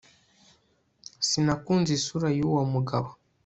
sinakunze isura yuwo mugabo